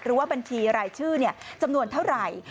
หรือว่าบัญชีรายชื่อเนี่ยจำนวนเท่าไหร่